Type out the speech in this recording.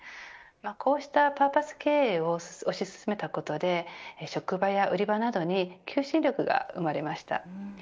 こうしたパーパス経営を推し進めたことで職場や売り場などに求心力が生まれました。